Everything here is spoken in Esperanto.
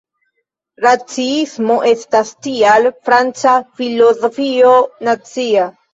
Raciismo estas tial franca filozofio nacia.